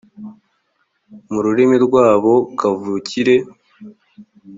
mu rurimi rwabo kavukire